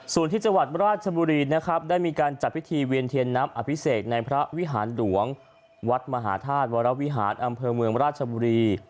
ส่วนที่จังหวัดราชบุรีนะครับได้มีการจัดพิธีเวียนเทียนน้ำอภิเษกในพระวิหารหลวงวัดมหาธาตุวรวิหารอำเภอเมืองราชบุรี